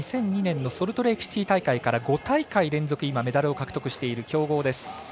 ２００２年のソルトレークシティー大会から５大会連続でメダルを獲得している強豪です。